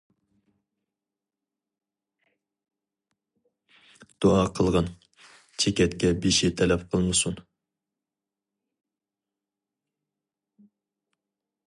دۇئا قىلغىن، چېكەتكە بېشى تەلەپ قىلمىسۇن!...